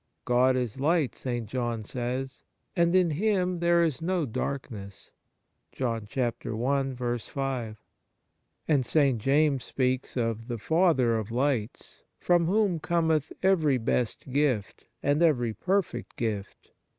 " God is light," St. John says, " and in Him there is no darkness " j 1 and St. James speaks of " the Father of lights," from whom cometh " every best gift and every perfect gift."